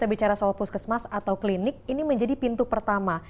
maka masyarakat yang memiliki kartu bpjs atau kartu indonesia sehat itu akan menjadi pintu pertama